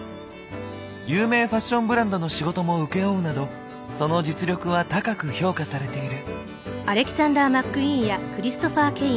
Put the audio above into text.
有名ファッションブランドの仕事も請け負うなどその実力は高く評価されている。